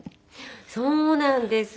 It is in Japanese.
そうなんです。